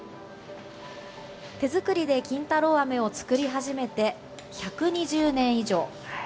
手作りで金太郎飴を作り始めて１２０年以上。